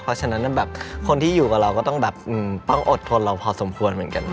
เพราะฉะนั้นแบบคนที่อยู่กับเราก็ต้องแบบต้องอดทนเราพอสมควรเหมือนกัน